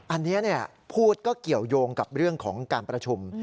อันนี้พูดก็เกี่ยวยงกับเรื่องของการประชุม